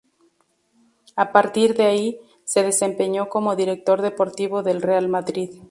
A partir de ahí, se desempeñó como director deportivo del Real Madrid.